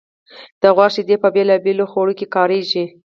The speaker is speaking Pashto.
د غوا شیدې په بېلابېلو خوړو کې کارېږي.